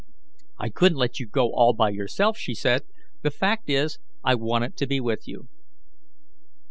"I couldn't let you go all by yourself," she said. "The fact is, I wanted to be with you."